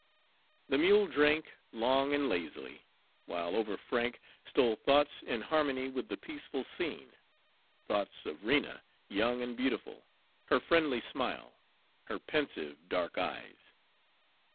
The mule drank long and lazily, while over Frank stole thoughts in harmony with the peaceful scene, thoughts of Rena, young and beautiful, her friendly smile, her pensive dark eyes.